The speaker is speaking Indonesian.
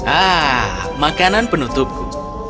ah makanan penutupku